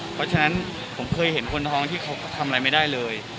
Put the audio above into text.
เพราะฉะนั้นผมเคยเห็นคนท้องที่เขาก็ทำอะไรไม่ได้เลย